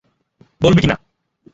বলবি কি না?